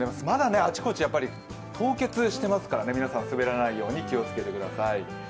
まだ、あちこち凍結してますから皆さん、滑らないように気をつけてください。